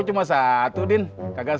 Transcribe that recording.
terima kasih sekali lagi tammy